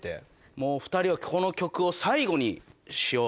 もう２人はこの曲を最後にしようという事で。